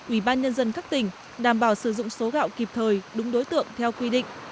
ủy ban nhân dân các tỉnh đảm bảo sử dụng số gạo kịp thời đúng đối tượng theo quy định